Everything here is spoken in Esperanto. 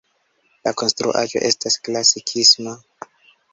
La konstruaĵo estas klasikisma.